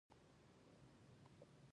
نن مې د پخلنځي د لوښو ځای بدل کړ.